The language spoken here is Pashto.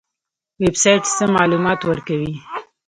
ویب سایټ څه معلومات ورکوي؟